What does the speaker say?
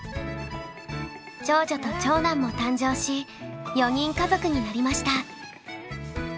長女と長男も誕生し４人家族になりました。